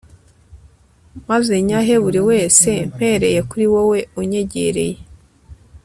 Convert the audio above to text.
maze nyahe buri wese mpereye kuri wowe unyegereye